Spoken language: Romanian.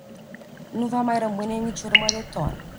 Nu va mai rămâne nici urmă de ton.